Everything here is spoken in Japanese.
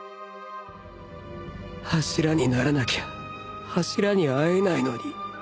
柱にならなきゃ柱に会えないのに